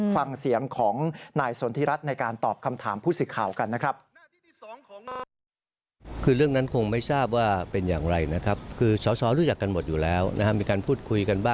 ฟังเสียงของนายสนทิรัฐในการตอบคำถามผู้สิทธิ์ข่าวกันนะครับ